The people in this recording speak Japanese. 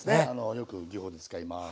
よく技法で使います。